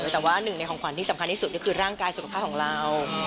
แต่ว่าหนึ่งในของขวัญที่สำคัญที่สุดก็คือร่างกายสุขภาพของเรา